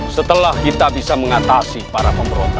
setelah kita bisa mengatasi para pemberonta